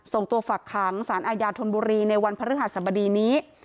ส่งตัวฝักขังสารอาญาธนบุรีในวันพฤหัสบดีนี้